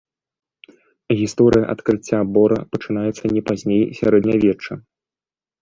Гісторыя адкрыцця бора пачынаецца не пазней сярэднявечча.